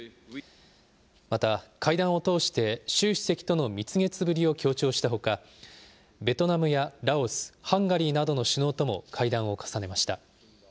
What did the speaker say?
また、会談を通して、習主席との蜜月ぶりを強調したほか、ベトナムやラオス、ハンガリーなどの首脳とも会談を重ねました。